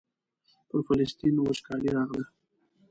پر فلسطین وچکالي راغله.